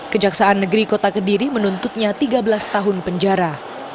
kejaksaan negeri kota kediri menuntutnya tiga belas tahun penjara